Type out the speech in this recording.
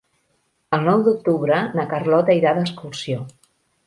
El nou d'octubre na Carlota irà d'excursió.